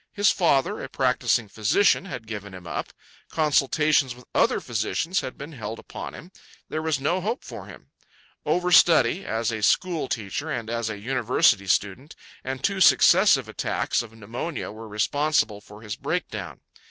His father, a practising physician, had given him up. Consultations with other physicians had been held upon him. There was no hope for him. Overstudy (as a school teacher and as a university student) and two successive attacks of pneumonia were responsible for his breakdown.